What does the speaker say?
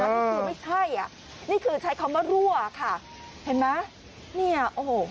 นี่คือไม่ใช่อ่ะนี่คือใช้คำว่ารั่วค่ะเห็นไหมเนี่ยโอ้โห